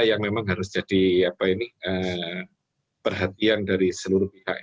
yang memang harus jadi perhatian dari seluruh pihak